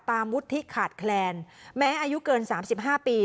ตามมุทธิขาดแคลนแม้อายุเกินสามสิบห้าปี